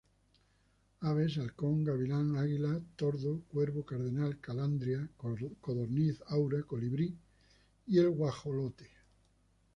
Aves: halcón, gavilán, águila, tordo, Cuervo, cardenal, calandria, codorniz, aura, Colibrí y el guajolote.